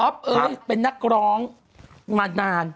เอ้ยเป็นนักร้องมานาน